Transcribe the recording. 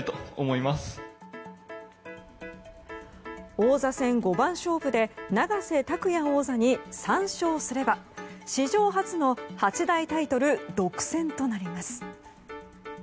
王座戦五番勝負で永瀬拓矢王座に３勝すれば史上初の八大タイトル独占となります。